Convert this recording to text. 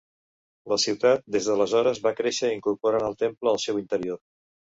La ciutat des d'aleshores va créixer, incorporant al temple al seu interior.